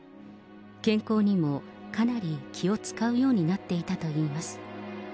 健康にもかなり気を遣うようになっていたといいます。